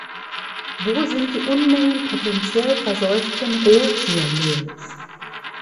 Wo sind die Unmengen potentiell verseuchten Rohtiermehls?